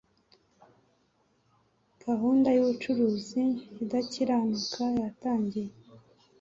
gahunda y'ubucuruzi idakiranuka yatangiye